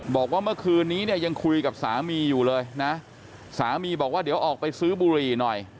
บอกว่าเมื่อคืนนี้เนี่ยยังคุยกับสามีอยู่เลยนะสามีบอกว่าเดี๋ยวออกไปซื้อบุหรี่หน่อย